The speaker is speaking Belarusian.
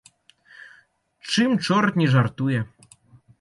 Чым чорт не жартуе!